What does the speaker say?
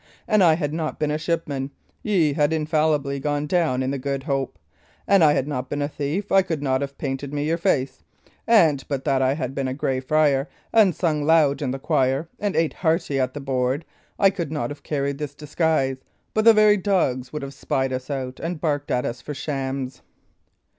An I had not been a shipman, ye had infallibly gone down in the Good Hope; an I had not been a thief, I could not have painted me your face; and but that I had been a Grey Friar, and sung loud in the choir, and ate hearty at the board, I could not have carried this disguise, but the very dogs would have spied us out and barked at us for shams."